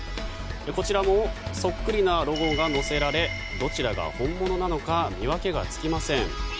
こちらもそっくりなロゴが載せられどちらが本物なのか見分けがつきません。